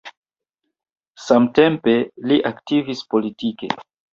Samtempe, li aktivis politike.